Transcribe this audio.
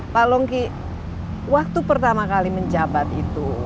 pak longki waktu pertama kali menjabat itu